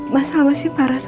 mas al nyuruh